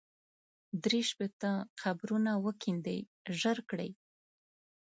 درې شپېته قبرونه وکېندئ ژر کړئ.